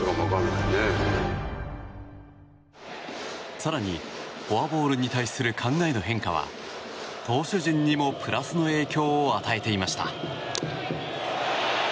更に、フォアボールに対する考えの変化は投手陣にもプラスの影響を与えていました。